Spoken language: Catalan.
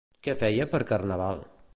Què feia per Carnaval?